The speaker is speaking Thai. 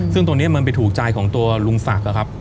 ซึ่งตรงนี้มันไปถูกใจของตัวลุงศักดิ์ครับ